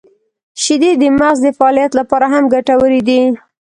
• شیدې د مغز د فعالیت لپاره هم ګټورې دي.